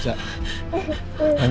saya selalu kuat